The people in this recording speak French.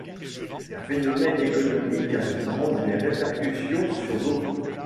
Un phénomène économique a souvent des répercussions sur d'autres.